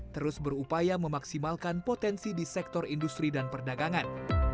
terus berupaya memaksimalkan potensi di sektor industri dan perdagangan